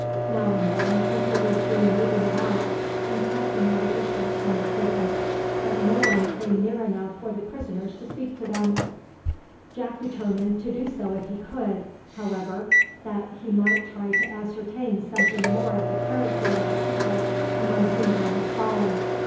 Now and then people were seen moving about, and passing at a distance from the prison; but no one came near enough for the prisoners to speak to them. Jack determined to do so if he could, however, that he might try to ascertain something more of the character of the people among whom they had fallen.